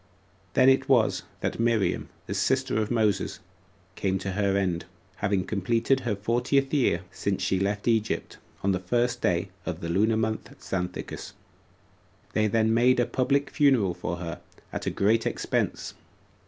6. Then it was that Miriam, the sister of Moses, came to her end, having completed her fortieth year 5 since she left Egypt, on the first 6 day of the lunar month Xanthicus. They then made a public funeral for her, at a great expense.